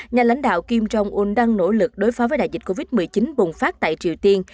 nhà lãnh đạo kim jong un đang nỗ lực đối phó với đại dịch covid một mươi chín bùng phát tại triều tiên